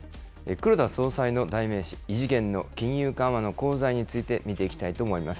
黒田総裁の代名詞、異次元の金融緩和の功罪について見ていきたいと思います。